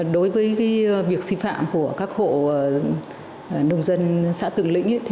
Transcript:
đối với việc xin phạm của các hộ nông dân xã tượng lĩnh